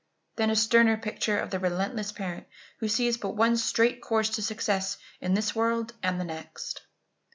Then a sterner picture of the relentless parent who sees but one straight course to success in this world and the next.